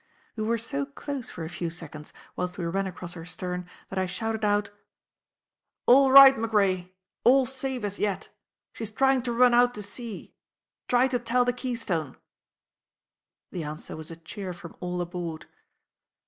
We were so close for a few seconds, whilst we ran across her stern, that I shouted out: "All right, MacRae. All safe as yet. She's trying to run out to sea. Try to tell the Keystone." The answer was a cheer from all aboard.